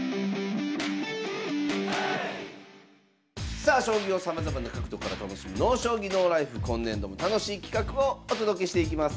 さあ将棋をさまざまな角度から楽しむ「ＮＯ将棋ＮＯＬＩＦＥ」今年度も楽しい企画をお届けしていきます。